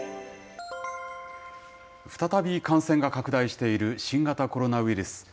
再び感染が拡大している新型コロナウイルス。